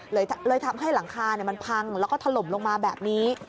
เลยทำให้หลังคามันพังแล้วก็ถล่มลงมาแบบนี้